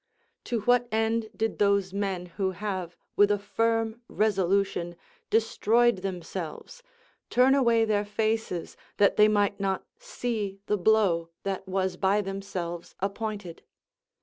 To what end did those men who have, with a firm resolution, destroyed themselves, turn away their faces that they might not see the blow that was by themselves appointed?